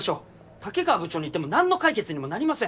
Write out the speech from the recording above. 武川部長に言っても何の解決にもなりません。